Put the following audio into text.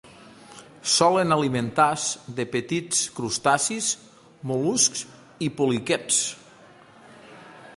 Solen alimentar-se de petits crustacis, mol·luscs i poliquets.